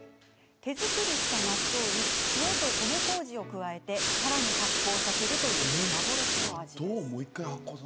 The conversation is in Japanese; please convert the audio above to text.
手作りした納豆に塩と米こうじを加えてさらに発酵させるという幻の味です。